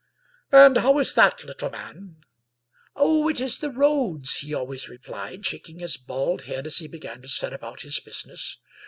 " And how is that, little man? " ''Oh, it is the roads," he always replied, shaking his bald head as he began to set about his business.